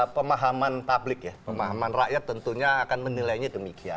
pemahaman publik ya pemahaman rakyat tentunya akan menilainya demikian